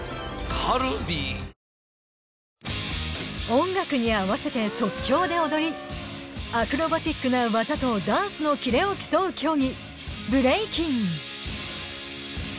音楽に合わせて即興で踊りアクロバティックな技とダンスのキレを競う競技ブレイキン。